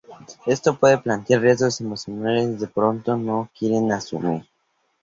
Esto puede plantear riesgos emocionales que de pronto no quieren asumir.